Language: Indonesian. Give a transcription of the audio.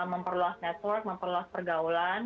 memperluas network memperluas pergaulan